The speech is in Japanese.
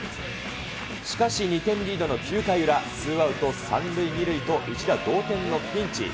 しかし、２点リードの９回裏、ツーアウト３塁２塁と、一打同点のピンチ。